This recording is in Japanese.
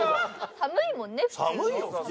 寒いもんね普通。